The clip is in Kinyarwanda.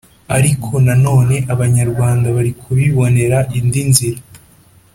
Ariko na none abanyarwanda bari kubibonera indi nzira,